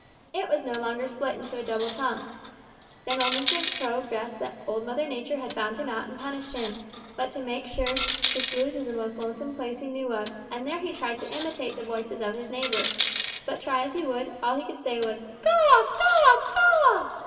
It was no longer split into a double tongue. Then old Mr. Crow guessed that Old Mother Nature had found him out and punished him, but to make sure, he flew to the most lonesome place he knew of, and there he tried to imitate the voices of his neighbors; but try as he would, all he could say was 'Caw, caw, caw.'